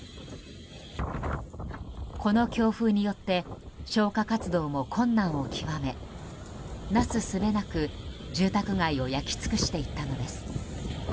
この強風によって消火活動も困難を極めなすすべなく住宅街を焼き尽くしていったのです。